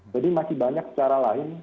jadi masih banyak cara lain